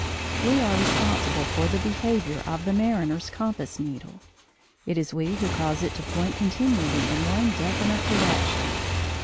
We are responsible for the behaviour of the mariner's compass needle. It is we who cause it to point continually in one definite direction.